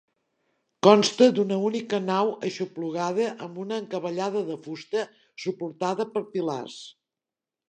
Consta d'una única nau aixoplugada amb una encavallada de fusta suportada per pilars.